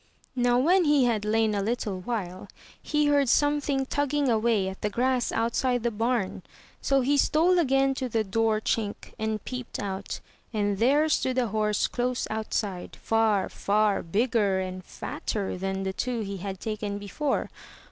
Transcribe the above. Now when he had lain a little while he heard something tugging away at the grass outside the bam, so he stole again to the door chink, and peeped out, and there stood a horse close outside — far, far bigger and fatter than the two he had taken before.